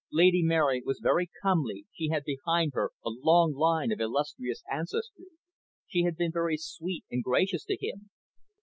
Lady Mary was very comely, she had behind her a long line of illustrious ancestry. She had been very sweet and gracious to him.